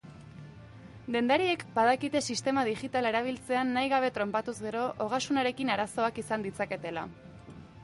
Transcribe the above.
Dendariek badakite sistema digitala erabiltzean nahi gabe tronpatuz gero, Ogasunarekin arazoak izan ditzaketela.